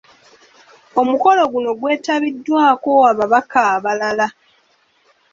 Omukolo guno gwetabiddwako ababaka abalala.